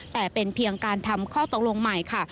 แต่เป็นเพียงการทำข้อตกลงใหม่ค่ะ